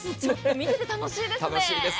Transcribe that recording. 見ていて楽しいです。